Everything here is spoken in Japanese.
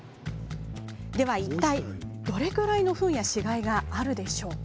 では、いったいどれくらいのフンや死骸があるんでしょうか？